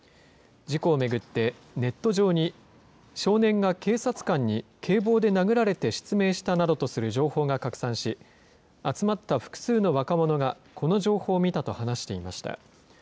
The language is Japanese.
事故を巡って、ネット上に、少年が警察官に警棒で殴られて失明したなどとする情報が拡散し、集まった複数の若者が、この情報を見たと話していました。